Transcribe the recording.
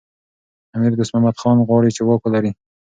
امیر دوست محمد خان غواړي چي واک ولري.